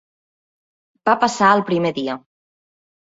Va passar el primer dia.